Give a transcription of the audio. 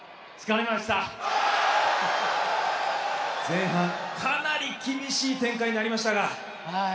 前半かなり厳しい展開になりましたが。